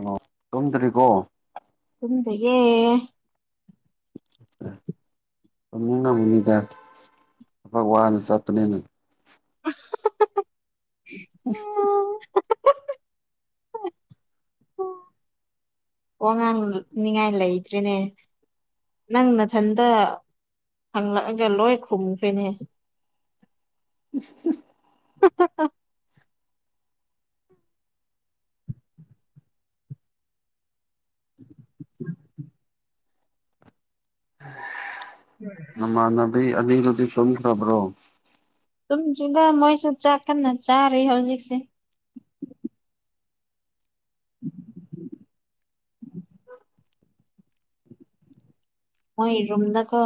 ꯑꯣ ꯇꯨꯝꯗꯔꯤꯕꯣ ꯇꯨꯝꯗꯔ꯭ꯤꯌꯦ [unintelligible] ꯇꯨꯝꯅꯤꯡꯉꯝꯃꯅꯤꯗ ꯊꯕꯛ ꯋꯥꯅ ꯆꯠꯄꯅꯦꯅ [unintelligible] [inaudible] ꯑꯁ [unintelligible] ꯋꯥꯉꯥꯡ ꯅꯤꯡꯉꯥꯏ ꯂꯩꯇ꯭ꯔꯤꯅꯦ ꯅꯪ ꯅꯥꯊꯟꯇꯥ ꯍꯪꯂꯛꯑꯒ ꯂꯣꯏ ꯈꯨꯝꯈꯔ꯭ꯦꯅꯦ [inaudible] [unintelligible] [unintelligible] ꯅꯃꯥꯟꯅꯕꯤ ꯑꯅꯤꯗꯨꯗꯤ ꯇꯨꯝꯈ꯭ꯔꯕ꯭ꯔꯣ ꯇꯨꯝꯗꯔ꯭ꯤꯗ ꯃꯣꯏꯁꯨ ꯆꯥꯛ ꯀꯟꯅ ꯆꯥꯔꯤ ꯍꯧꯖꯤꯛꯁꯦ ꯎꯝ [inaudible] [unintelligible] ꯃꯣꯏ ꯔꯨꯝꯗꯀꯣ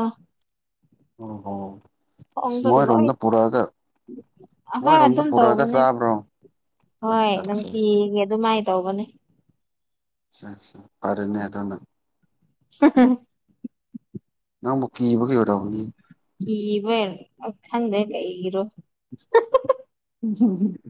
[unintelligible] ꯑꯁ ꯈꯣꯡꯗꯣ ꯂꯣꯏ ꯃꯣꯏꯔꯣꯝꯗ ꯄꯨꯔꯛꯑꯒ ꯍꯣꯏ ꯃꯣꯏꯔꯣꯝꯗ ꯑꯗꯨꯝ ꯄꯨꯔꯛꯑꯒ ꯇꯧꯕꯅꯦ ꯆꯥꯕ꯭ꯔꯣ ꯍꯣꯏ ꯑꯠꯆꯥ ꯑꯠꯆꯥ ꯅꯨꯡꯇꯤꯒꯤ ꯑꯗꯨꯃꯥꯏꯅ ꯇꯧꯕꯅꯦ ꯑꯁꯥ ꯑꯁꯥ ꯐꯔꯦꯅꯦ ꯑꯗꯨꯅꯥ [unintelligible] ꯅꯪꯕꯨ ꯀꯤꯕꯒꯤ ꯑꯣꯏꯔꯝꯒꯅꯤ ꯀꯤꯕꯩ ꯑ ꯈꯪꯗꯦ ꯀꯩꯒꯤꯔꯣ [unintelligible] [unintelligible]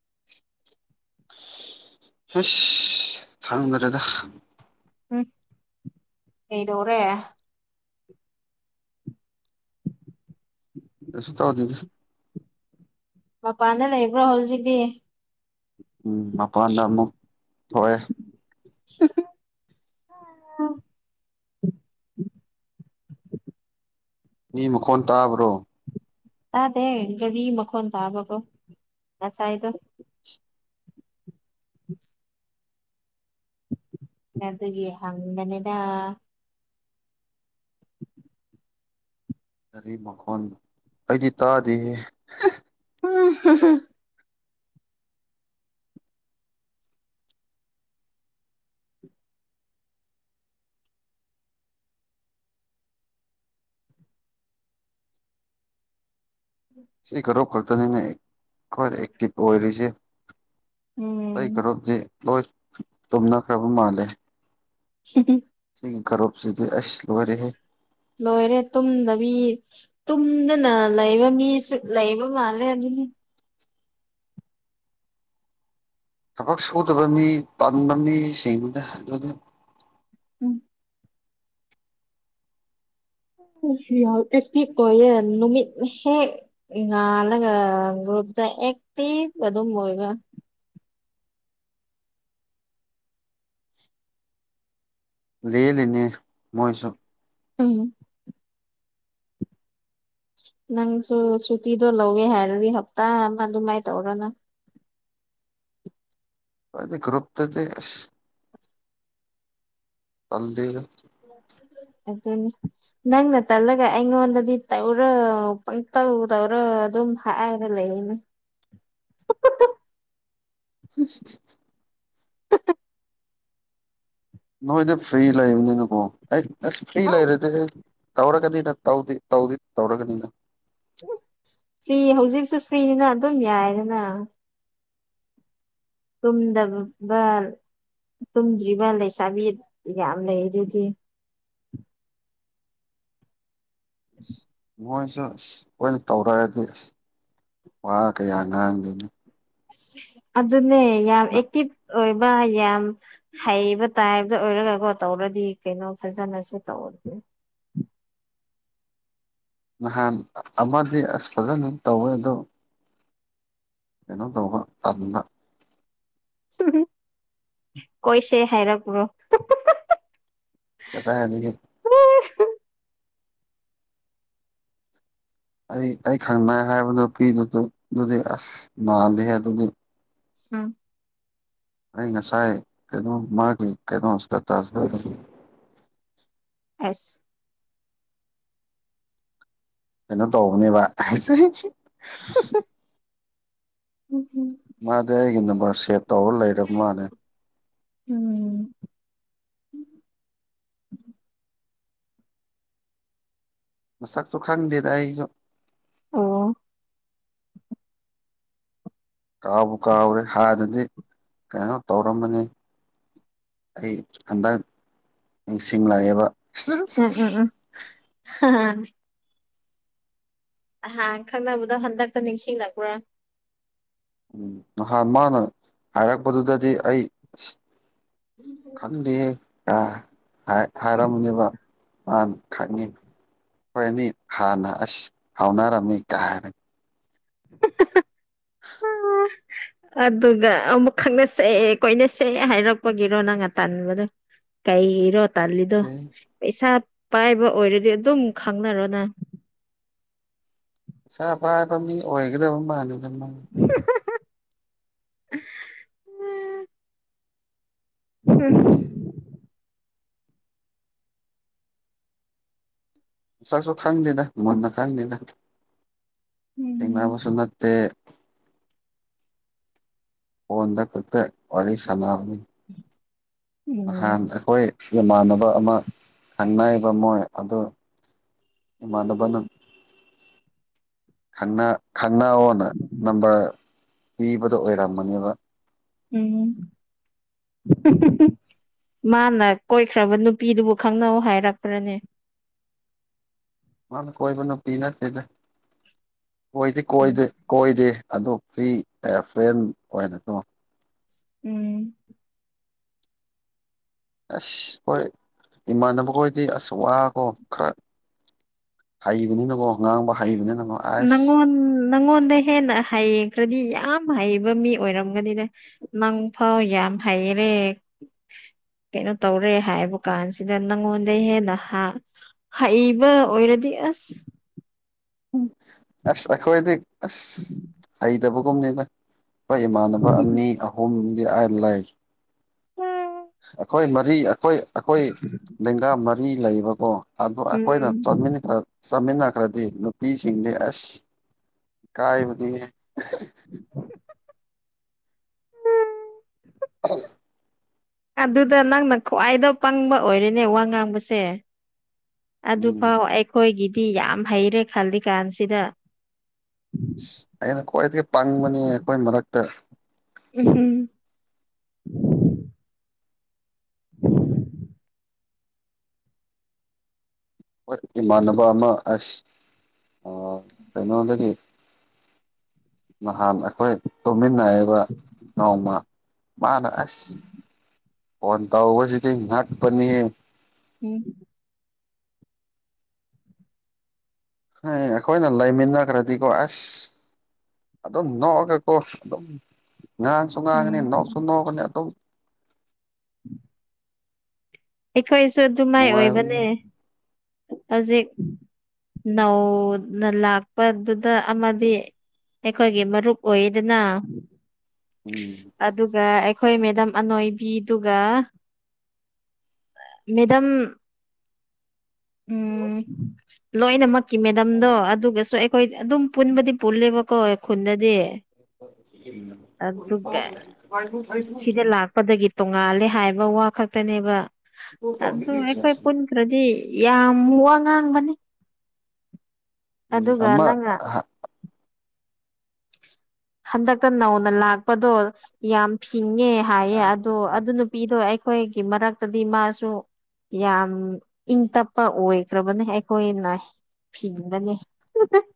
[inaudible] ꯍꯩꯁ ꯈꯪꯗꯔꯦꯗ ꯍꯝ ꯀꯩꯗꯧꯔꯦ ꯀꯩꯁꯨ ꯇꯧꯗꯦꯗ ꯃꯄꯥꯟꯗ ꯂꯩꯕ꯭ꯔꯣ ꯍꯧꯖꯤꯛꯇꯤ ꯎꯝ ꯃꯄꯥꯟꯗ ꯑꯃꯨꯛ ꯊꯣꯛꯑꯦ ꯍꯥꯝ ꯍꯥꯝ ꯃꯤ ꯃꯈꯣꯟ ꯇꯥꯕ꯭ꯔꯣ ꯇꯥꯗꯦ ꯒꯥꯔꯤ ꯃꯈꯣꯟ ꯇꯥꯕꯀꯣ ꯉꯁꯥꯏꯗꯣ ꯑꯗꯨꯒꯤ ꯍꯪꯕꯅꯦꯗꯥ ꯒꯥꯔꯤ ꯃꯈꯣꯟ ꯑꯩꯗꯤ ꯇꯥꯗꯦꯍꯦ [unintelligible] [inaudible] ꯁꯤ ꯈꯔꯨꯞ ꯈꯛꯇꯅꯤꯅꯦ ꯈꯋꯥꯏꯗꯩ ꯑꯦꯛꯇꯤꯚ ꯑꯣꯏꯔꯤꯁꯤ ꯑꯩ ꯀ꯭ꯔꯨꯞꯗꯤ ꯂꯣꯏ ꯇꯨꯝꯅꯈ꯭ꯔꯕ ꯃꯥꯜꯂꯦ ꯁꯤꯗꯤ ꯁꯤꯒꯤ ꯀꯔꯣꯞꯁꯤꯗꯤ ꯑꯁ ꯂꯣꯏꯔꯦꯍꯦ ꯂꯣꯏꯔꯦ ꯇꯨꯝꯗꯕꯤ ꯇꯨꯝꯗꯅ ꯂꯩꯕ ꯃꯤꯁꯨ ꯂꯩꯕ ꯃꯥꯜꯂꯦ ꯑꯗꯨꯅꯤ ꯊꯕꯛ ꯁꯨꯗꯕ ꯃꯤ ꯄꯥꯟꯕ ꯃꯤꯁꯤꯡꯗꯨꯅ ꯑꯗꯨꯗ ꯎꯝ ꯌꯥꯛꯇꯤ ꯀꯌꯦ ꯅꯨꯃꯤꯠ ꯍꯦꯛ ꯉꯥꯜꯂꯒ ꯒ꯭ꯔꯨꯄꯇ ꯑꯦꯛꯇꯤꯚ ꯑꯗꯨꯝ ꯑꯣꯏꯕ ꯂꯦꯜꯂꯤꯅꯦ ꯃꯣꯏꯁꯨ ꯎꯝ ꯅꯪꯁꯨ ꯁꯨꯇꯤꯗꯣ ꯂꯧꯋꯦ ꯍꯥꯏꯔꯗꯤ ꯍꯞꯇꯥ ꯑꯃ ꯑꯗꯨꯃꯥꯏꯅ ꯇꯧꯔꯣꯅ ꯑꯗꯤ ꯀ꯭ꯨꯞꯄꯗꯤ ꯇꯟꯂꯦꯗ ꯑꯗꯨꯅꯤ ꯅꯪꯅ ꯇꯜꯂꯒ ꯑꯩꯉꯣꯟꯗꯗꯤ ꯇꯧꯔꯣ ꯄꯪꯇꯧ ꯇꯧꯔ ꯑꯗꯨꯝ ꯍꯥꯏꯔ ꯂꯩꯅꯦ [inaudible] ꯎꯁ ꯅꯣꯏꯗꯤ ꯐ꯭ꯔꯤ ꯂꯩꯕꯅꯦ ꯅꯀꯣ ꯑꯁ ꯐ꯭ꯔꯤ ꯂꯩꯔꯦꯗꯤ ꯑꯩ ꯇꯧꯔꯒꯅꯤꯅ ꯇꯧ ꯇꯧꯗꯤ ꯇꯧꯔꯒꯅꯤꯅ ꯐ꯭ꯔꯤ ꯍꯧꯖꯤꯛꯁꯨ ꯐ꯭ꯔꯤꯅꯤꯅ ꯑꯗꯨꯝ ꯌꯥꯏꯗꯅ ꯇꯨꯝꯗꯕ ꯇꯨꯝꯗ꯭ꯔꯤꯕ ꯂꯩꯁꯥꯕꯤ ꯌꯥꯝ ꯂꯩ ꯑꯗꯨꯗꯤ ꯃꯣꯏꯁꯨ ꯑꯁ ꯑꯣꯏꯅ ꯇꯧꯔꯛꯑꯗꯤ ꯑꯁ ꯋꯥ ꯀꯌꯥ ꯉꯥꯡꯗꯦꯅꯦ ꯑꯗꯨꯅꯦ ꯌꯥꯝ ꯑꯦꯛꯇꯤꯚ ꯑꯣꯏꯕ ꯌꯥꯝ ꯍꯩꯕ ꯇꯥꯏꯕꯇ ꯑꯣꯏꯔꯒꯀꯣ ꯇꯧꯔꯗꯤ ꯀꯩꯅꯣ ꯐꯖꯅꯁꯨ ꯇꯧꯔꯒꯦ ꯅꯍꯥꯟ ꯑꯃꯗꯤ ꯑꯁ ꯐꯖꯅ ꯇꯧꯋꯦ ꯑꯗꯣ ꯀꯩꯅꯣꯝ ꯇꯧꯕ ꯇꯟꯕ ꯀꯣꯏꯁꯦ ꯍꯥꯏꯔꯛꯄ꯭ꯔꯣ ꯀꯗꯥꯏꯗꯒꯤ ꯑꯩ ꯑꯩ ꯈꯪꯅꯩ ꯍꯥꯏꯕꯗꯨ ꯅꯨꯄꯤꯗꯨꯗꯨꯝ ꯑꯗꯨꯗꯤ ꯑꯁ ꯅꯥꯜꯂꯤꯍꯦ ꯑꯗꯨꯗꯤ ꯎꯝ ꯑꯩ ꯉꯁꯥꯏ ꯀꯩꯅꯣ ꯃꯥꯒꯤ ꯀꯩꯅꯣ ꯏꯁꯇꯦꯇꯁ ꯑꯦꯁ ꯀꯩꯅꯣ ꯇꯧꯕꯅꯦꯕ [unintelligible] ꯎꯝ ꯎꯝ ꯃꯥ ꯗꯤ ꯑꯩꯒꯤ ꯅꯝꯕꯔ ꯁꯦꯚ ꯎꯝ ꯃꯁꯛꯁꯨ ꯈꯪꯗꯦꯗ ꯑꯩꯁꯨ ꯑꯣ ꯀꯥꯎꯕꯨ ꯀꯥꯎꯔꯦ ꯍꯥꯟꯅꯗꯤ ꯀꯩꯅꯣ ꯇꯧꯔꯝꯕꯅꯤ ꯑꯩ ꯍꯟꯗꯛ ꯅꯤꯡꯁꯤꯡꯂꯛꯑꯦꯕ ꯎꯝ ꯎꯝ ꯎꯝ ꯑꯍꯥꯟ ꯈꯪꯅꯕꯗꯣ ꯍꯟꯗꯛꯇ ꯅꯤꯡꯁꯤꯡꯂꯛꯄ꯭ꯔꯥ ꯎꯝ ꯅꯍꯥꯟ ꯃꯥꯅ ꯍꯥꯏꯔꯛꯄꯗꯨꯗꯗꯤ ꯑꯩ ꯈꯪꯗꯤꯌꯦ ꯍꯥꯏꯔꯝꯃꯅꯤꯕ ꯃꯥ ꯈꯪꯉꯤ ꯍꯣꯏꯅꯤ ꯍꯥꯟꯅ ꯑꯁ ꯍꯥꯎꯅꯔꯝꯃꯤ ꯀꯥꯏ [unintelligible] [unintelligible] ꯑꯗꯨꯒ ꯑꯃꯨꯛ ꯈꯪꯅ ꯁꯛꯑꯦ ꯀꯣꯏꯅ ꯁꯛꯑ ꯍꯥꯏꯔꯛꯄꯒꯤꯔꯣ ꯅꯪ ꯉ ꯇꯟꯥꯟꯕꯗꯣ ꯀꯩꯔꯣ ꯇꯜꯂꯤꯗꯣ ꯄꯩꯁꯥ ꯄꯩꯁꯥ ꯄꯥꯏꯕ ꯑꯣꯏꯔꯗꯤ ꯑꯗꯨꯝ ꯈꯪꯅꯔꯣꯅꯪ ꯄꯥ ꯄꯕ ꯃꯤ ꯑꯣꯏꯒꯗꯕ ꯃꯥꯟꯗꯦꯗ [unintelligible] [unintelligible] ꯆꯁꯁꯨ ꯈꯪꯗꯅ ꯃꯣꯟꯅ ꯈꯪꯪꯗꯅ [unintelligible] [unintelligible] ꯅꯠꯇꯦ ꯐꯣꯟꯗ ꯈꯛꯇ ꯋꯥꯔꯤ ꯁꯅꯥꯅꯤ ꯅꯍꯥꯟ ꯎꯝ ꯑꯩꯈꯣꯏ ꯏꯃꯥꯟꯅꯕ ꯑꯃ ꯈꯪꯅꯔꯤꯕ ꯃꯣꯏ ꯑꯗꯨ ꯏꯃꯅꯕꯅ ꯈꯪꯅꯑꯣꯅ ꯅꯝꯕꯔ ꯄꯤꯕꯗꯣ ꯑꯣꯏꯔꯝꯕꯅꯦꯕ ꯎꯝ [unintelligible] ꯃꯥꯅ ꯀꯣꯏꯈ꯭ꯔꯕ ꯅꯨꯄꯤꯗꯨꯕꯨ ꯈꯪꯅꯧ ꯍꯥꯏꯔꯛꯄ꯭ꯔꯅꯦ ꯃꯥꯅ ꯀꯣꯏꯕ ꯅꯨꯄꯤ ꯅꯠꯇꯦꯗ ꯀꯣꯏꯗꯤ ꯀꯣꯏꯗꯦ ꯀꯣꯏꯗꯦ ꯑꯗꯨ ꯐ꯭ꯔꯤ ꯐ꯭ꯔꯦꯟ ꯑꯣꯏꯅ ꯀꯣ ꯎꯝ ꯑꯁ ꯍꯣꯏ ꯏꯃꯥꯟꯅꯕꯈꯣꯏꯗꯤ ꯑꯁ ꯋꯥꯀꯣ ꯈꯔ ꯍꯩꯕꯅꯤꯅꯀꯣ ꯉꯥꯡꯕ ꯍꯩꯕꯅꯤꯅꯀꯣ ꯑꯁ ꯅꯪꯉꯣꯟ ꯅꯪꯉꯣꯟꯗ ꯍꯦꯟꯅ ꯍꯩꯈ꯭ꯔꯗꯤ ꯌꯥꯝ ꯍꯩꯕ ꯃꯤ ꯑꯣꯏꯔꯝꯒꯅꯤꯅꯦ ꯅꯪ ꯐꯥꯎ ꯌꯥꯝ ꯍꯩꯔꯦ ꯀꯩꯅꯣ ꯇꯧꯔꯦ ꯍꯥꯏꯕ ꯀꯥꯟꯁꯤꯗ ꯅꯪꯉꯣꯟꯗ ꯍꯦꯟꯅ ꯍꯥ ꯍꯩꯕ ꯑꯣꯏꯔꯗꯤ ꯑꯁ ꯑꯁ ꯑꯩꯈꯣꯏꯗꯤ ꯑꯁ ꯍꯩꯇꯕꯒꯨꯝꯅꯤꯗ ꯈꯣꯏ ꯏꯃꯥꯟꯅꯕ ꯑꯅꯤ ꯑꯍꯨꯝꯗꯤ ꯑꯩ ꯂꯩ ꯑꯩꯈꯣꯏ ꯃꯔꯤ ꯑꯩꯈꯣꯏ ꯑꯩꯈꯣꯏ ꯂꯦꯡꯒ ꯃꯔꯤ ꯂꯩꯕꯀꯣ ꯑꯗꯣ ꯑꯈꯣꯏꯅ ꯆꯠꯃꯤꯟ ꯎꯝ ꯈꯔ ꯆꯥꯃꯤꯟꯅꯈ꯭ꯔꯗꯤ ꯅꯨꯄꯤꯁꯤꯡꯗꯤ ꯑꯁ ꯀꯥꯏꯕꯗꯤ [unintelligible] ꯑꯗꯨꯗ ꯅꯪꯅ ꯈ꯭ꯋꯥꯏꯗ ꯄꯪꯕ ꯑꯣꯏꯔꯅꯦ ꯋꯥ ꯉꯥꯡꯕꯁꯦ ꯎꯝ ꯑꯗꯨꯐꯥꯎ ꯑꯩꯈꯣꯏꯒꯤꯗꯤ ꯌꯥꯝ ꯍꯩꯔꯦ ꯈꯂꯤꯀꯥꯟꯁꯤꯗ ꯑꯩꯅ ꯈ꯭ꯋꯥꯏꯗꯒꯤ ꯄꯪꯕꯅꯦ ꯑꯩꯈꯣꯏ ꯃꯔꯛꯇ [unintelligible] ꯍꯣꯏ ꯏꯃꯥꯟꯅꯕ ꯑꯃ ꯑꯁ ꯀꯩꯅꯣꯗꯒꯤ ꯅꯍꯥꯟ ꯑꯩꯈꯣꯏ ꯇꯨꯝꯃꯤꯟꯅꯩꯑꯕ ꯅꯣꯡꯃ ꯃꯥꯅ ꯑꯁ ꯐꯣꯟ ꯇꯁꯤꯗꯤ ꯉꯠꯄꯅꯤꯌꯦ ꯎꯝ ꯍꯩ ꯑꯩꯈꯣꯏꯅ ꯂꯩꯥꯃꯤꯅꯈ꯭ꯔꯗꯤ ꯀꯣ ꯑꯁ ꯑꯗꯨꯝ ꯅꯣꯛꯑꯒꯀꯣ ꯑꯗꯨꯝ ꯉꯥꯡꯁꯨ ꯎꯝ ꯉꯥꯡꯉꯅꯤ ꯅꯣꯛꯁꯨ ꯅꯣꯛꯒꯅꯤ ꯑꯗꯨꯝ ꯑꯩꯈꯣꯏꯁꯨ ꯑꯗꯨ ꯃꯥꯏ ꯅꯨꯡꯉꯥꯏꯕꯅꯦ ꯑꯣꯏꯕꯅꯦ ꯍꯧꯖꯤꯛ ꯅꯧꯅ ꯂꯥꯛꯄꯗꯨꯗ ꯑꯃꯗꯤ ꯑꯩꯈꯣꯏꯒꯤ ꯃꯔꯨꯞ ꯑꯣꯏꯗꯅ ꯎꯝ ꯑꯗꯨꯒ ꯑꯩꯈꯣꯏ ꯃꯦꯗꯥꯝ ꯑꯅꯣꯏꯕꯤꯗꯨꯒ ꯃꯦꯗꯝ ꯎꯝ ꯂꯣꯏꯅꯃꯛꯀꯤ ꯃꯦꯗꯥꯝꯗꯣ ꯑꯗꯨꯒꯁꯨ ꯑꯩꯈꯣꯏ ꯑꯗꯨꯝ ꯄꯨꯟꯕꯗꯤ ꯄꯨꯜꯂꯦꯕꯀꯣ ꯈꯨꯟꯗꯗꯤ ꯑꯗꯨꯒ ꯁꯤꯗ ꯂꯥꯛꯄꯗꯒꯤ ꯇꯣꯡꯉꯥꯜꯂꯦ ꯍꯥꯏꯕ ꯋꯥ ꯈꯛꯇꯅꯦꯕ ꯑꯗꯨ ꯑꯩꯈꯣꯏ ꯄꯨꯜ ꯅꯠꯇ꯭ꯔꯗꯤ ꯌꯥꯝ ꯋꯥ ꯉꯥꯡꯕꯅꯤ ꯑꯗꯨꯒ ꯑꯃ ꯅꯪꯅ ꯑꯍ ꯍꯟꯗꯛꯇ ꯅꯧꯅ ꯂꯥꯛꯄꯗꯣ ꯌꯥꯝ ꯐꯤꯡꯉꯦ ꯍꯥꯏꯌꯦ ꯑꯗꯣ ꯑꯗꯨꯅ ꯄꯤꯗꯣ ꯑꯩꯈꯣꯏꯒꯤ ꯃꯔꯛꯇꯗꯤ ꯃꯥꯁꯨ ꯌꯥꯝ ꯏꯪ ꯇꯞꯄ ꯑꯣꯏꯈ꯭ꯔꯕꯅꯦ ꯑꯩꯈꯣꯏꯅ ꯐꯤꯡꯕꯅꯦ ꯑꯍ [unintelligible]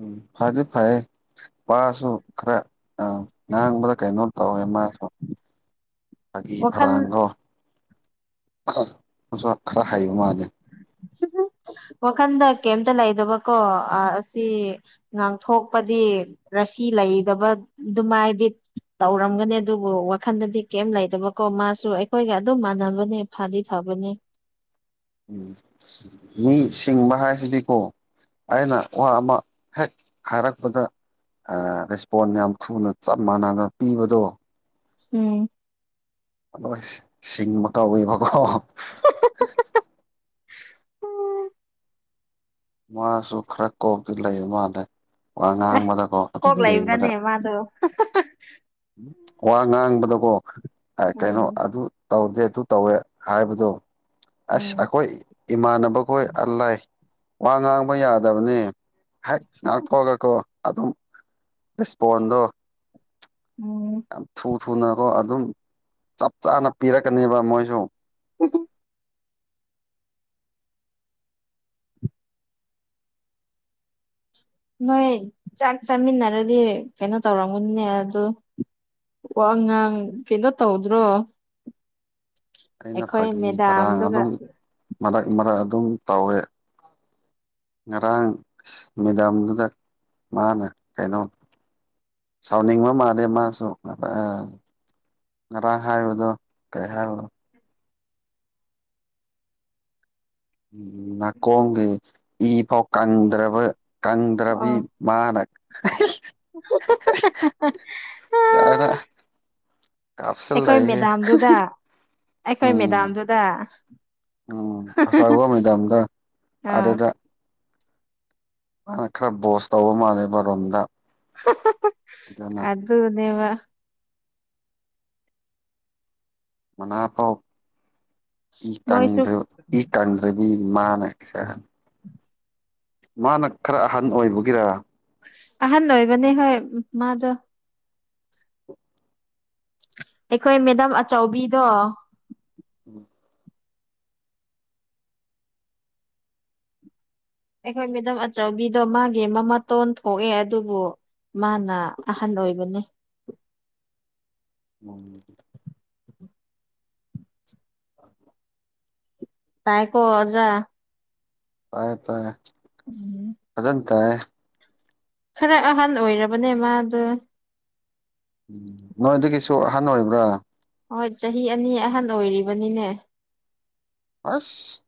ꯎꯝ ꯐꯗꯤ ꯐꯩꯌꯦ ꯃꯥꯁꯨ ꯈꯔ ꯑꯥ ꯉꯥꯡꯕꯗ ꯀꯩꯅꯣꯝ ꯇꯧꯋꯦ ꯃꯥꯁꯨ ꯐꯥꯒꯤ ꯋꯥꯈꯜ ꯐꯔꯥꯡꯗꯣ [unintelligible] ꯃꯥꯁꯨ ꯈꯔ ꯍꯩꯕ ꯃꯥꯜꯂꯦ ꯍꯝꯍꯝ ꯋꯥꯈꯟꯗ ꯀꯩꯝꯇ ꯂꯩꯗꯕꯀꯣ ꯑ ꯑꯁꯤ ꯉꯥꯡꯊꯣꯛꯄꯗꯤ ꯔꯥꯁꯤ ꯂꯩꯗꯕ ꯑꯗꯨꯃꯥꯏꯗꯤ ꯇꯧꯔꯝꯒꯅꯤ ꯑꯗꯨꯕꯨ ꯋꯥꯈꯟꯗꯗꯤ ꯀꯩꯝ ꯂꯩꯇꯕꯀꯣ ꯃꯥꯁꯨ ꯑꯩꯈꯣꯏꯒ ꯑꯗꯨꯝ ꯃꯥꯟꯅꯕꯅꯦ ꯐꯗꯤ ꯐꯕꯅꯦ ꯎꯝ ꯃꯤ ꯁꯤꯡꯕ ꯍꯥꯏꯁꯤꯗꯤꯀꯣ ꯑꯩꯅ ꯋꯥ ꯑꯃ ꯍꯦꯛ ꯍꯥꯏꯔꯛꯄꯗ ꯑ ꯔꯦꯁꯄꯣꯟ ꯌꯥꯝ ꯊꯨꯅ ꯆꯞ ꯃꯥꯟꯅꯅ ꯄꯤꯕꯗꯣ ꯎꯝ ꯑꯣꯏ ꯁꯤꯡꯕ ꯀꯧꯋꯦꯕꯀꯣ ꯃꯥꯁꯨ ꯈꯔ ꯀꯣꯛꯇꯤ ꯂꯩꯌꯦ ꯃꯥꯜꯂꯦ ꯋꯥ ꯉꯥꯡꯕꯗꯀꯣ ꯑꯗꯨꯝ ꯀꯣꯛ ꯌꯦꯡꯕꯗ ꯂꯩꯕ꯭ꯔꯅꯦ ꯃꯥꯗꯣ ꯍꯍꯍ ꯋꯥ ꯉꯥꯡꯕꯗꯀꯣ ꯑ ꯀꯩꯅꯣ ꯎꯝ ꯑꯗꯨ ꯇꯧꯗꯦ ꯑꯗꯨ ꯇꯧꯋꯦ ꯍꯥꯏꯕꯗꯨ ꯑꯁ ꯎꯝ ꯑꯩꯈꯣꯏ ꯏꯃꯥꯟꯅꯕꯈꯣꯏ ꯑꯜꯂꯥꯏ ꯋꯥ ꯉꯥꯡꯕ ꯌꯥꯗꯕꯅꯤ ꯍꯦꯛ ꯉꯥꯛꯊꯣꯛꯑꯒꯀꯣ ꯑꯗꯨꯝ ꯏꯁꯄꯣꯟꯗꯣ ꯎꯝ ꯌꯥꯝ ꯊꯨ ꯊꯨꯅꯀꯣ ꯑꯗꯨꯝ ꯆꯞ ꯆꯥꯅ ꯄꯤꯔꯛꯀꯅꯦꯕ ꯃꯣꯏꯁꯨ [inaudible] ꯅꯣꯏ ꯆꯥꯛ ꯆꯥꯃꯤꯟꯅꯔꯗꯤ ꯀꯩꯅꯣ ꯇꯧꯔꯝꯒꯅꯤꯅꯦ ꯑꯗꯨ ꯋꯥ ꯉꯥꯡ ꯀꯩꯅꯣ ꯇꯧꯗ꯭ꯔꯣ ꯑꯩꯅ ꯑꯩꯈꯣꯏ ꯐꯥꯒꯤ ꯐꯔꯥꯡ ꯃꯦꯗꯥꯝꯗꯨꯒ ꯑꯗꯨꯝ ꯃꯔꯛ ꯃꯔꯛ ꯑꯗꯨꯝ ꯇꯧꯋꯦ ꯉꯔꯥꯡ ꯃꯦꯗꯥꯝꯗꯨꯗ ꯃꯥꯅ ꯀꯩꯅꯣ ꯁꯥꯎꯟꯅꯤꯡꯕ ꯃꯥꯜꯂꯦ ꯃꯥꯁꯨ ꯉꯔꯥꯡ ꯍꯥꯏꯕꯗꯣ ꯀꯩ ꯍꯥꯏꯣ ꯅꯥꯀꯣꯡꯒꯤ ꯏ ꯐꯥꯎ ꯀꯪꯗ꯭ꯔꯕ ꯀꯪꯗ꯭ꯔꯕꯤ ꯃꯥꯅ [unintelligible] ꯍꯍꯍꯍ [unintelligible] ꯀꯥꯏꯗ [unintelligible] ꯑꯩꯈꯣꯏ ꯃꯦꯗꯥꯝꯗꯨꯗ ꯑꯩꯈꯣꯏ ꯎꯝ ꯃꯦꯗꯥꯝꯗꯨꯅ ꯎꯝ ꯑꯁꯨꯋꯥꯏꯕꯥꯎ ꯃꯦꯗꯥꯝꯗ ꯑꯥ ꯑꯗꯣꯗ ꯈꯔ ꯕꯣꯁ ꯇꯧꯕ ꯃꯥꯜꯂꯦꯕ ꯔꯣꯝꯗ ꯍꯍꯍ ꯑꯗꯨꯅ ꯑꯗꯨꯅꯦꯕ ꯃꯅꯥꯐꯥꯎ ꯏ ꯃꯣꯏꯁꯨ ꯀꯪꯗ ꯀꯥꯡꯗ꯭ꯔꯦꯕꯤ ꯃꯥꯅ ꯈꯔ ꯃꯥꯅ ꯈꯔ ꯑꯍꯟ ꯑꯣꯏꯕꯒꯤꯔ ꯑꯍꯥꯟ ꯅꯣꯏ ꯃꯅꯤ ꯍꯣꯏ ꯃꯥꯗ ꯑꯩꯈꯣꯏ ꯃꯦꯗꯥꯝ ꯑꯆꯥꯎꯕꯤꯗꯣ ꯎꯝ ꯑꯩꯈꯣꯏ ꯃꯦꯗꯥꯝ ꯑꯆꯧꯕꯤꯗꯣ ꯃꯥꯒꯤ ꯃ ꯃꯇꯣꯟ ꯊꯣꯛꯑꯦ ꯑꯗꯨꯕꯨ ꯃꯥꯅ ꯑꯍꯟ ꯑꯣꯏꯕꯅꯦ [inaudible] [inaudible] ꯇꯥꯏꯀꯣꯖꯥ ꯇꯌꯦ ꯇꯌꯦ ꯎꯝ ꯑꯗꯇ ꯈꯔ ꯑꯍꯟ ꯑꯣꯏꯔꯕꯅꯦ ꯃꯥꯗ ꯎꯝ ꯅꯣꯏꯗꯒꯤꯁꯨ ꯑꯍꯟ ꯑꯣꯏꯕ꯭ꯔꯥ ꯍꯣꯏ ꯆꯍꯤ ꯑꯅꯤ ꯑꯍꯟ ꯑꯣꯏꯔꯤꯕꯅꯤꯅꯦ ꯑꯁ